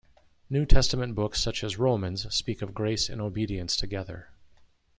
New Testament books such as Romans, speak of grace and obedience together.